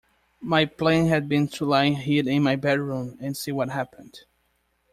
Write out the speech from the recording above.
My plan had been to lie hid in my bedroom, and see what happened.